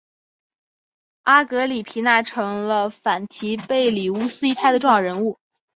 阿格里皮娜成了反提贝里乌斯一派的重要人物。